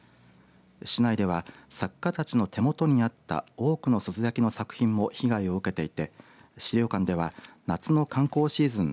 市内では作家たちの手元にあった多くの珠洲焼の作品も被害を受けていて資料館では夏の観光シーズン